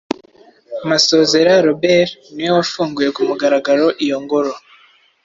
Masozera Robert niwe wafunguye ku mugaragaro iyo ngoro,